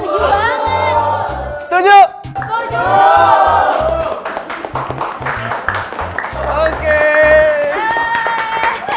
wah setuju banget